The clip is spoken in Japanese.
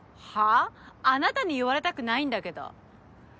あなたに言われたくないんだけど。